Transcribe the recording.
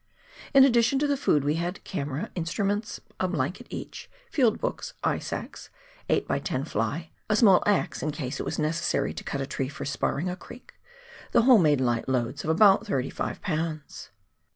In addition to the food we had camera, instruments, a blanket each, field books, ice axe, 8 by 10 fly, and a small axe in case it was necessary to cut a tree for "sparring" a creek; the whole made light loads of about 35 lbs.